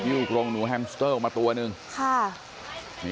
ลูกโรงหนูแฮมสเตอร์ออกมาตัวหนึ่งค่ะ